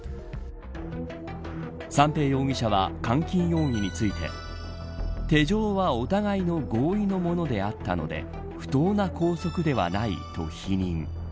三瓶容疑者は監禁容疑について手錠はお互いの合意のものであったので不当な拘束ではないと否認。